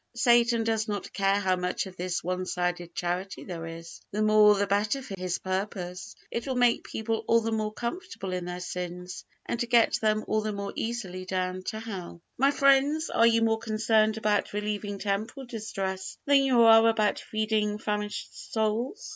Satan does not care how much of this one sided Charity there is; the more the better for his purpose; it will make people all the more comfortable in their sins, and get them all the more easily down to hell. My friends, are you more concerned about relieving temporal distress than you are about feeding famished souls?